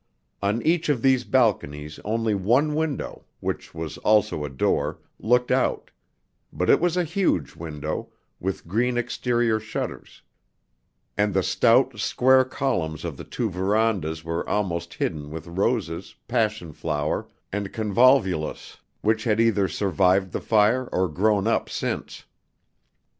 On each of these balconies only one window which was also a door looked out; but it was a huge window, with green exterior shutters; and the stout, square columns of the two verandas were almost hidden with roses, passion flower, and convolvulus which had either survived the fire or grown up since.